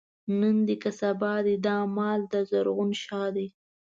نن دی که سبا دی، دا مال دَ زرغون شاه دی